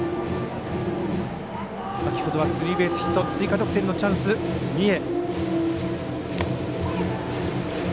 先ほどはスリーベースヒット追加得点のチャンス、三重。